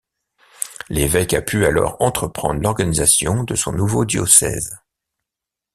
L'évêque a pu alors entreprendre l'organisation de son nouveau diocèse.